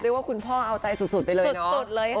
ว่าคุณพ่อเอาใจสุดไปเลยเนาะ